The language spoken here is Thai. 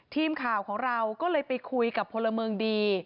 ทีมข่าวของเราก็เลยไปคุยกับพลเมืองดี